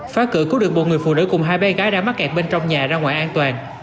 phá cửa cứu được một người phụ nữ cùng hai bé gái đã mắc kẹt bên trong nhà ra ngoài an toàn